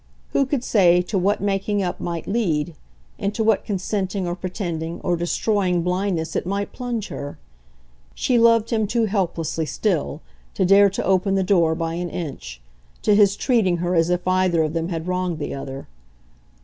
Who could say to what making up might lead, into what consenting or pretending or destroying blindness it might plunge her? She loved him too helplessly, still, to dare to open the door, by an inch, to his treating her as if either of them had wronged the other.